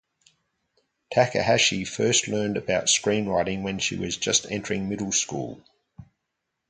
Takahashi first learned about screenwriting when she was just entering middle school.